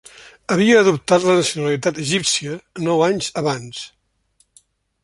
Havia adoptat la nacionalitat egípcia nou anys abans.